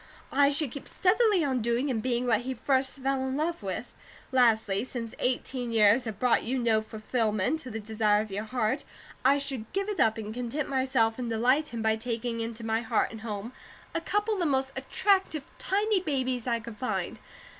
I should keep steadily on doing and being what he first fell in love with. Lastly, since eighteen years have brought you no fulfillment of the desire of your heart, I should give it up, and content myself and delight him by taking into my heart and home a couple of the most attractive tiny babies I could find.